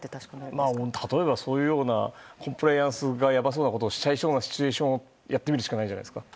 コンプライアンスがやばそうなことをしちゃいそうなシチュエーションをやってみるしかないじゃないですか。